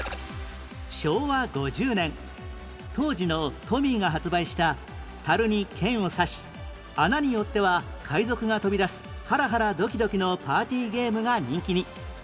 昭和５０年当時のトミーが発売した樽に剣を刺し穴によっては海賊が飛び出すハラハラドキドキのパーティーゲームが人気に